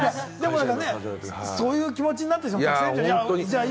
そういう気持ちになった人、たくさんいたんじゃない？